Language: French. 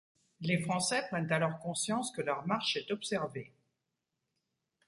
Les Français prennent alors conscience que leur marche est observée.